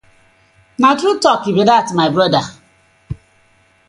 Na true talk be dat my brother.